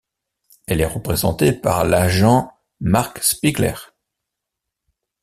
Elle est représentée par l'agent Mark Spiegler.